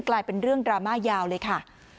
กลายเป็นเรื่องดราม่ายาวเลยค่ะ